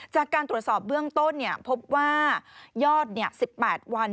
จากการตรวจสอบเบื้องต้นพบว่ายอด๑๘วัน